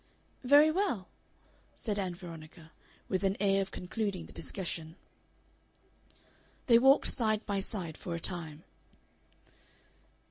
"Very well," said Ann Veronica, with an air of concluding the discussion. They walked side by side for a time.